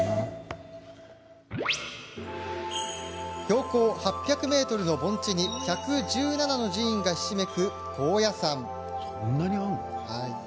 標高８００ｍの盆地に１１７の寺院がひしめく高野山。